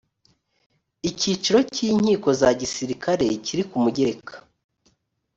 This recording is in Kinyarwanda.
icyiciro cy’ inkiko za gisirikare kiri ku mugereka